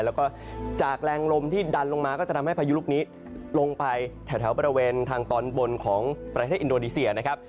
แล้วก็จากแรงลมที่ดันลงมาก็จะทำให้พายุลูกนี้ลงไปแถวบริเวณทางตอนบนของประเทศอินโดนีเซียนะครับ